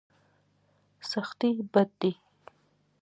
سختي بد دی.